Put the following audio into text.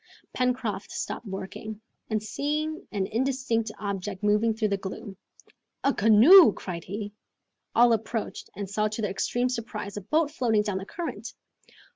Pencroft stopped working, and seeing an indistinct object moving through the gloom, "A canoe!" cried he. All approached, and saw to their extreme surprise, a boat floating down the current.